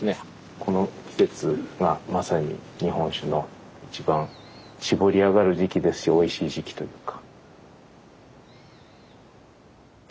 この季節がまさに日本酒の一番搾り上がる時期ですしおいしい時期というか。